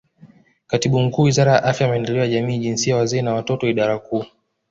Katibu Mkuu Wizara ya Afya Maendeleo ya Jamii Jinsia Wazee na Watoto Idara Kuu